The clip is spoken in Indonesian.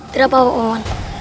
tidak apa apa owen